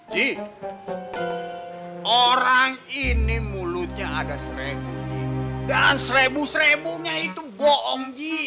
ji orang ini mulutnya ada serebu dan serebu serebunya itu bohong ji